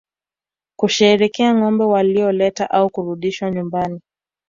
Kusherehekea ngombe walioletwa au kurudishwa nyumbani